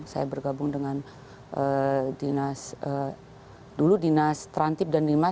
saya bergabung dengan dinas dulu dinas trantip dan limas